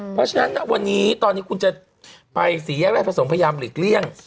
เพราะฉะนั้นวันนี้ตอนนี้คุณจะไปสี่แยกราชประสงค์พยายามหลีกเลี่ยง